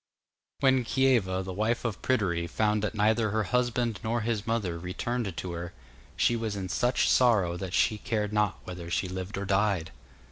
When Kieva, the wife of Pryderi, found that neither her husband nor his mother returned to her, she was in such sorrow that she cared not whether she lived or died.